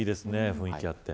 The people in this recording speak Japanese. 雰囲気があって。